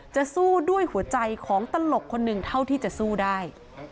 จะสู้ด้วยหัวใจของตลกคนหนึ่งเท่าที่จะสู้ได้